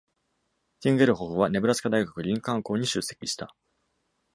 ティンゲルホフは、ネブラスカ大学リンカーン校に出席した。